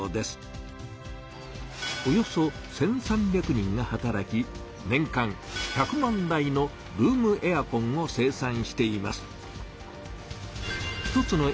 およそ１３００人が働き年間１００万台のルームエアコンを生産しています。